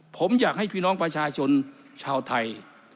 ผมอยากให้พี่น้องประชาชนชาวไทย